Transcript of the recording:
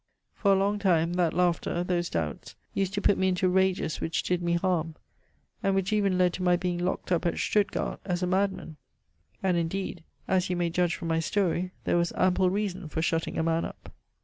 For a long time that laughter, those doubts, used to put me into rages which did me harm, and which even led to my being locked up at Stuttgart as a madman. And indeed, as you may judge from my story, there was ample reason for shutting a man up.